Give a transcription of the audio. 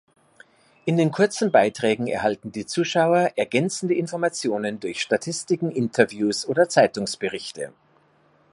In den kurzen Beiträgen erhalten die Zuschauer ergänzende Informationen durch Statistiken, Interviews oder Zeitungsberichte.